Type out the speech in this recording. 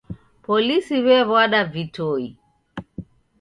Polisi wewada vitoi.